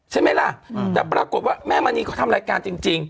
ใช่ไหมล่ะแต่ปรากฏว่าแม่มณีเขาทำรายการจริง